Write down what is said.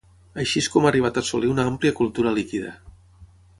Així és com ha arribat a assolir una àmplia cultura líquida.